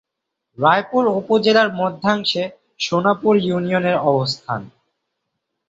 রায়পুর উপজেলার মধ্যাংশে সোনাপুর ইউনিয়নের অবস্থান।